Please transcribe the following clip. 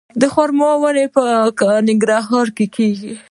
د خرما ونې په ننګرهار کې کیږي؟